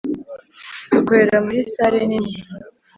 Dukorera muri sare nini